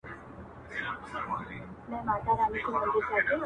چې یوازې قاچاقبر ملاتړي یې ډوډۍ لري